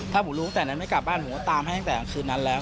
ถ้าผมรู้ตั้งแต่นั้นไม่กลับบ้านผมก็ตามให้ตั้งแต่คืนนั้นแล้ว